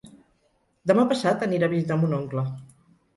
Demà passat anirà a visitar mon oncle.